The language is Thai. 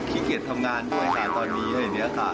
ขี้เกียจทำงานด้วยค่ะตอนนี้อะไรอย่างนี้ค่ะ